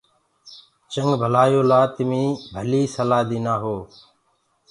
سهتي ڪي لآ تمي ڀلي سلآه دينآ هو۔